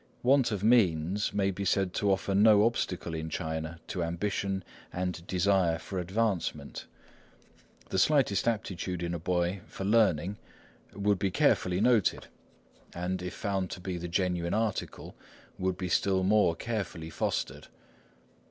Want of means may be said to offer no obstacle in China to ambition and desire for advancement. The slightest aptitude in a boy for learning would be carefully noted, and if found to be the genuine article, would be still more carefully fostered.